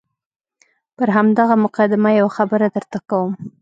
پر همدغه مقدمه یوه خبره درته کوم.